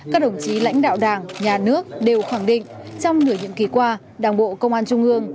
các đồng chí lãnh đạo đảng nhà nước đều khẳng định trong nửa nhiệm kỳ qua đảng bộ công an trung ương